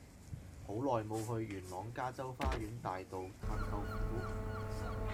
好耐無去元朗加州花園大道探舅父